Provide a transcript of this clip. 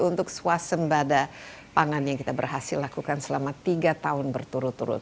untuk swasembada pangan yang kita berhasil lakukan selama tiga tahun berturut turut